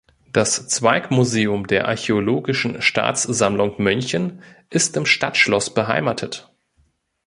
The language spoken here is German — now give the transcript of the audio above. Das Zweigmuseum der Archäologischen Staatssammlung München ist im Stadtschloss beheimatet.